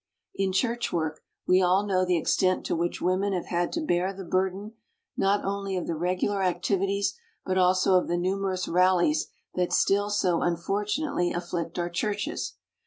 In church work we all know the extent to which women have had to bear the burden not only of the regular activities but also of the numerous "rallies" that still so unfortunately afflict our churches.